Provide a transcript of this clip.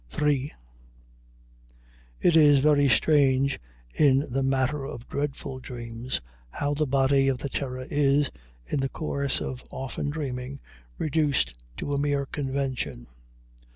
III It is very strange, in the matter of dreadful dreams, how the body of the terror is, in the course of often dreaming, reduced to a mere convention.